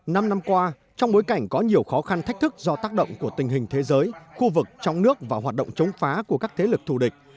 năm năm qua trong bối cảnh có nhiều khó khăn thách thức do tác động của tình hình thế giới khu vực trong nước và hoạt động chống phá của các thế lực thù địch